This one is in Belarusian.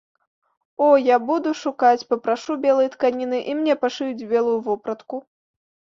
О, я буду шукаць, папрашу белай тканіны, і мне пашыюць белую вопратку.